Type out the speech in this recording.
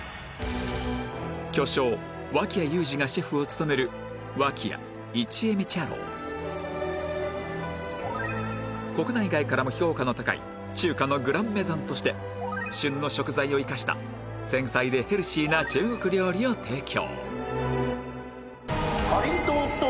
巨匠脇屋友詞がシェフを務める国内外からも評価の高い中華のグランメゾンとして旬の食材を生かした繊細でヘルシーな中国料理を提供